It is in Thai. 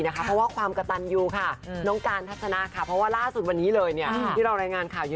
อยากให้แปลแบบว่าคาทาขุนแผนหน่อย